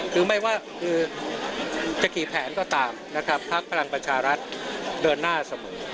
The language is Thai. คือไม่ว่าคือจะกี่แผนก็ตามนะครับภักดิ์พลังประชารัฐเดินหน้าเสมอ